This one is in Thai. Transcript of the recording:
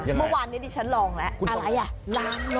เมื่อวานนี้ดิฉันลองแล้วอะไรอ่ะล้าง